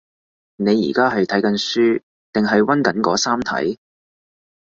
你而家係睇緊書定係揾緊嗰三題？